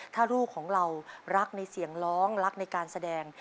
ถ้าลูกของเรารักในเสียงร้องรักในการแสดง